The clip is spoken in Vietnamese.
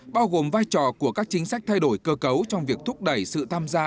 bao gồm vai trò của các chính sách thay đổi cơ cấu trong việc thúc đẩy sự tham gia